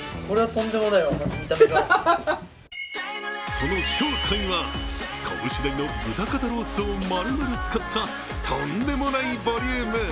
その正体は、こぶし大の豚肩ロースをまるまる使ったとんでもないボリューム。